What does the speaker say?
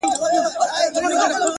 ښکارپورۍ زنه دې په ټوله انډيا کي نسته!